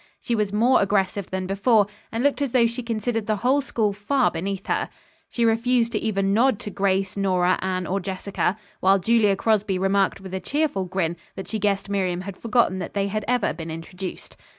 She was more aggressive than before, and looked as though she considered the whole school far beneath her. She refused to even nod to Grace, Nora, Anne or Jessica, while Julia Crosby remarked with a cheerful grin that she guessed Miriam had forgotten that they had ever been introduced.